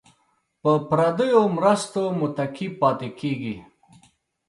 په پردیو مرستو متکي پاتې کیږي.